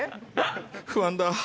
不安だ！